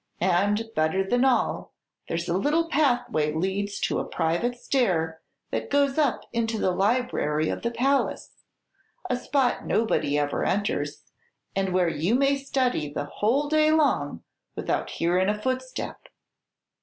And, better than all, there's a little pathway leads to a private stair that goes up into the library of the palace, a spot nobody ever enters, and where you may study the whole day long without hearin' a footstep.